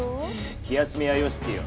気休めはよしてよ！